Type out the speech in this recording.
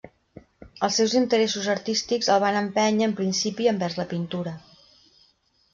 Els seus interessos artístics el van empènyer, en principi, envers la pintura.